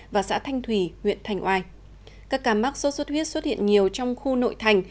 và xã thanh thủy huyện thành oai các ca mắc sốt xuất huyết xuất hiện nhiều trong khu nội thành